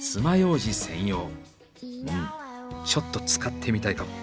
うんちょっと使ってみたいかも。